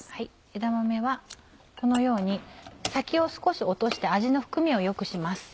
枝豆はこのように先を少し落として味の含みを良くします。